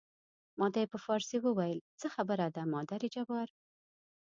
ما ته یې په فارسي وویل څه خبره ده مادر جبار.